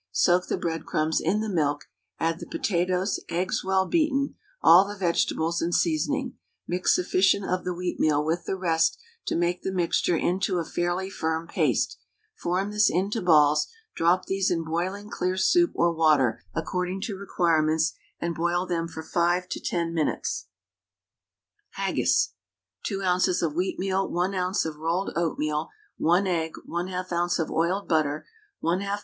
Soak the breadcrumbs in the milk, add the potatoes, eggs well beaten, all the vegetables and seasoning; mix sufficient of the wheatmeal with the rest to make the mixture into a fairly firm paste, form this into balls, drop these in boiling clear soup or water (according to requirements), and boil them for 5 to 10 minutes. HAGGIS. 2 oz. of wheatmeal, 1 oz. of rolled oatmeal, 1 egg, 1/2 oz. of oiled butter, 1/2 lb.